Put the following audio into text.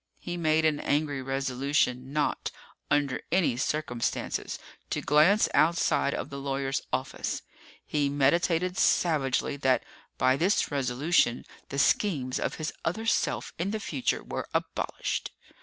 He made an angry resolution not, under any circumstances, to glance outside of the lawyer's office. He meditated savagely that, by this resolution, the schemes of his other self in the future were abolished.